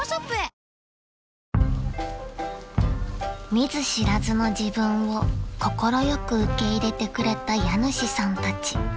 ［見ず知らずの自分を快く受け入れてくれた家主さんたち］